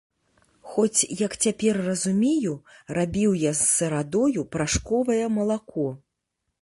Хоць, як цяпер разумею, рабіў я з сырадою парашковае малако.